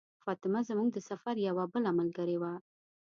فاطمه زموږ د سفر یوه بله ملګرې وه.